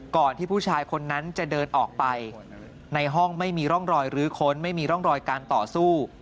ที่ผู้ชายคนนั้นจะเดินออกไปในห้องไม่มีร่องรอยลื้อค้นไม่มีร่องรอยการต่อสู้